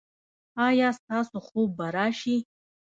ایا ستاسو خوب به راشي؟